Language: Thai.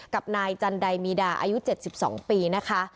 กับนายจันไดมีดาอายุเจ็ดสิบสองปีนะคะ